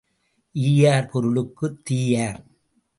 ஈயார் பொருளுக்குத் தீயார்.